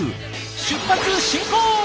出発進行！